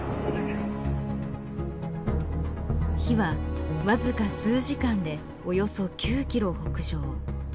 火は僅か数時間でおよそ９キロ北上。